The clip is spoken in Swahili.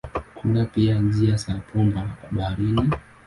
Kuna pia njia za bomba baharini.